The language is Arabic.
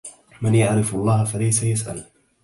من يعرف الله فليس يسأل